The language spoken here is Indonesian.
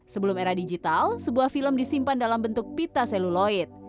sebelum era digital sebuah film disimpan dalam bentuk pita seluloid